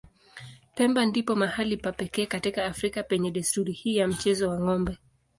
Pemba ndipo mahali pa pekee katika Afrika penye desturi hii ya mchezo wa ng'ombe.